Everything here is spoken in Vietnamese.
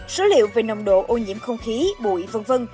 số liệu về nồng độ ô nhiễm không khí bụi v v